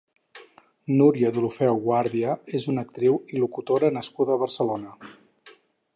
Núria Deulofeu Guàrdia és una actriu i locutora nascuda a Barcelona.